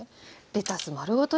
レタス丸ごと